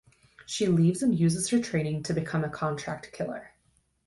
She leaves and uses her training to become a contract killer.